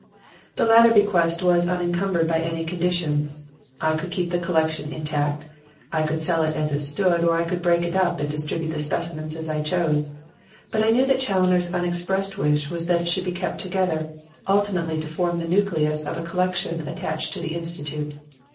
The latter bequest was unencumbered by any conditions. I could keep the collection intact, I could sell it as it stood or I could break it up and distribute the specimens as I chose; but I knew that Challoner's unexpressed wish was that it should be kept together, ultimately to form the nucleus of a collection attached to the Institute.